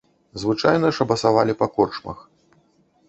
Звычайна шабасавалі па корчмах.